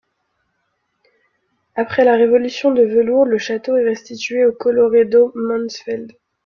Après la Révolution de velours, le château est restitué aux Colloredo-Mansfeld.